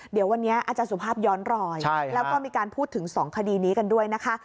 เดี๋ยววันนี้อาจารย์สุภาพย้อนรอยแล้วก็มีการพูดถึง๒คดีนี้กันด้วยนะคะ